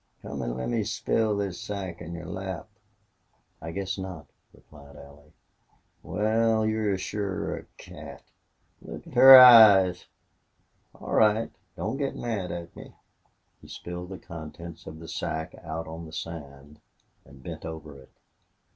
Come an' let me spill this sack in your lap." "I guess not," replied Allie. "Wal, you're sure a cat... Look at her eyes!... All right, don't git mad at me." He spilled the contents of the sack out on the sand, and bent over it.